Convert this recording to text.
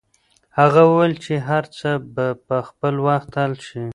هغه وویل چې هر څه به په خپل وخت حل شي.